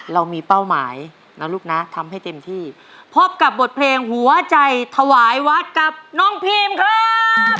เรามีเป้าหมายนะลูกนะทำให้เต็มที่พบกับบทเพลงหัวใจถวายวัดกับน้องพีมครับ